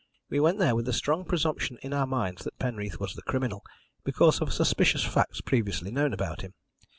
"We went there with the strong presumption in our minds that Penreath was the criminal, because of suspicious facts previously known about him.